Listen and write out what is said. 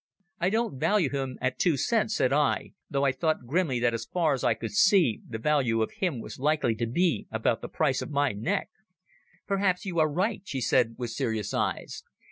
"I don't value him at two cents," said I, though I thought grimly that as far as I could see the value of him was likely to be about the price of my neck. "Perhaps you are right," she said with serious eyes.